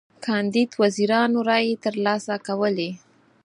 کاندید وزیرانو رایی تر لاسه کولې.